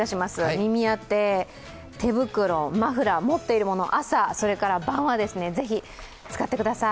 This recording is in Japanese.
耳当て、手袋、マフラー、持っているもの、朝晩はぜひ、使ってください。